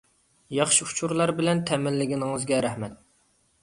ياخشى ئۇچۇرلار بىلەن تەمىنلىگىنىڭىزگە رەھمەت.